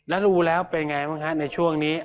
แล้วรู้แล้วเป็นไงบ้างฮะในช่วงนี้